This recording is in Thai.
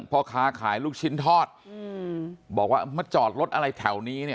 พ่อค้าขายลูกชิ้นทอดบอกว่ามาจอดรถอะไรแถวนี้เนี่ย